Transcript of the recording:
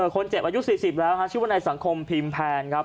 คนเจ็บอายุ๔๐แล้วชื่อว่าในสังคมพิมพ์แพนครับ